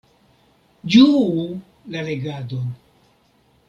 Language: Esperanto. Ĝuu la legadon!